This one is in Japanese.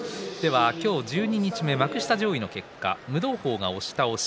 今日十二日目、幕下上位の結果夢道鵬、押し倒し。